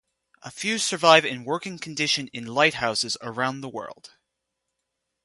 A few survive in working condition in lighthouses around the world.